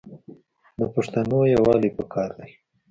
د پښتانو یوالي پکار دی.